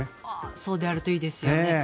そうであるといいですよね。